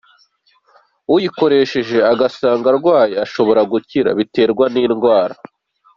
Uyikoresheje agasanga arwaye ashobora gukira, biterwa n’indwara.